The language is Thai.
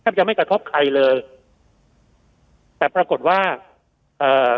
จะไม่กระทบใครเลยแต่ปรากฏว่าเอ่อ